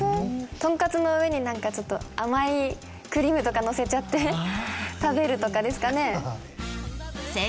とんかつの上になんかちょっと甘いクリームとかのせちゃって食べるとかですかね？